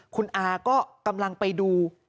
คุณอาก็กำลังไปดู